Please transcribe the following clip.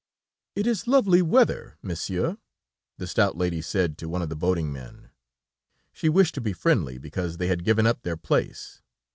"It is lovely weather, Monsieur," the stout lady said to one of the boating men. She wished to be friendly, because they had given up their place.